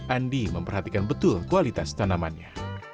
andi memperhatikan betul kualitas tanamannya